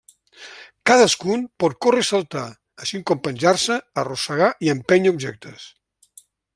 Cadascun pot córrer i saltar, així com penjar-se, arrossegar i empènyer objectes.